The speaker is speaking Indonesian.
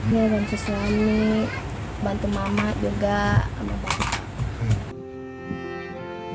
iya bantu suami bantu mama juga